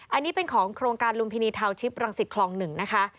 อันนี้เป็นของโครงการลุมพินีทาวชิปรังสิตคลอง๑นะคะ